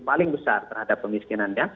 paling besar terhadap kemiskinan